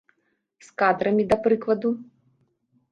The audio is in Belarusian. З кадрамі, да прыкладу?